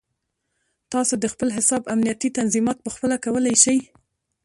تاسو د خپل حساب امنیتي تنظیمات پخپله کولی شئ.